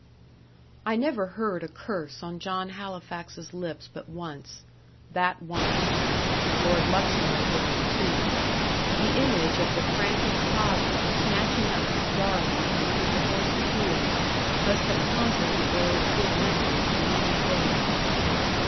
I never heard a curse on John Halifax's lips but once that once. Lord Luxmore heard it too. The image of the frantic father, snatching up his darling from under the horse's heels, must have haunted the earl's good memory for many a day.